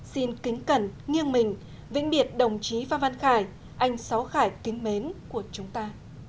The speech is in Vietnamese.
xin kính cẩn nghiêng mình vĩnh biệt đồng chí phan văn khải anh sáu khải kính mến của chúng ta